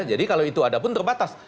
jadi kalau itu ada pun terbatas